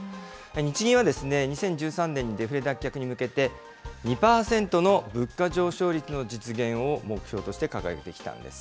日銀は２０１３年に、デフレ脱却に向けて、２％の物価上昇率の実現を目標として掲げてきたんです。